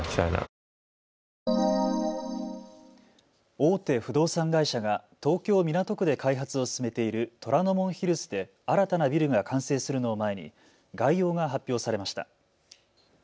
大手不動産会社が東京港区で開発を進めている虎ノ門ヒルズで新たなビルが完成するのを前に概要が発表されました。